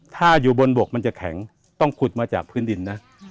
ถ้าอยู่บนบกมันจะแข็งต้องขุดมาจากพื้นดินนะ